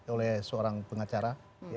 oleh seorang pengacara